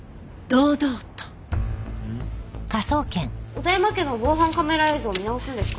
小田山家の防犯カメラ映像見直すんですか？